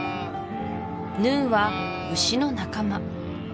ヌーは牛の仲間